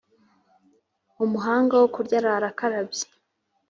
Umuhanga wo kurya arara akarabye.